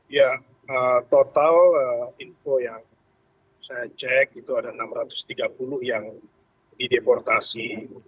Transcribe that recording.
ya total info yang saya cek itu ada enam ratus tiga puluh yang dideportasi